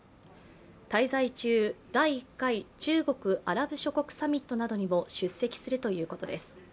滞在中、第１回中国・アラブ諸国サミットにも出席するということです。